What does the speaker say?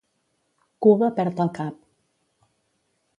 Cuba perd el cap.